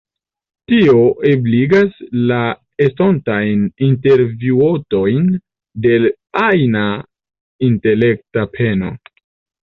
Tio liberigas la estontajn intervjuotojn de ajna intelekta peno.